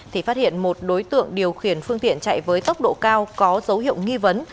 thì phát hiện một đối tượng điều khiển phương tiện chạy với tốc độ cao có dấu hiệu nghi vấn